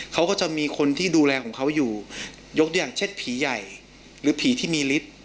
เขาก็จะมีคนที่ดูแลของเขาอยู่ยกอย่างเช่นผีใหญ่หรือผีที่มีฤทธิ์